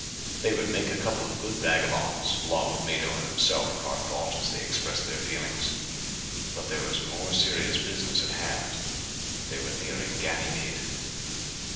They would make a couple of good vagabonds along with Mado and himself, Carr thought as they expressed their feelings. But there was more serious business at hand. They were nearing Ganymede.